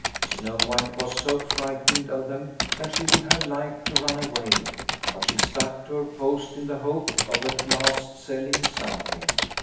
Snow White was so frightened of them that she would have liked to run away, but she stuck to her post in the hope of at last selling something.